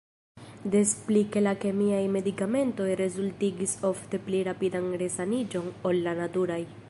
Des pli ke la kemiaj medikamentoj rezultigis ofte pli rapidan resaniĝon ol la naturaj.